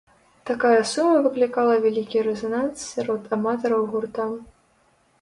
Такая сума выклікала вялікі рэзананс сярод аматараў гурта.